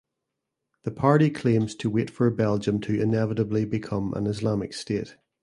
The party claims to "wait" for Belgium to inevitably become an Islamic state.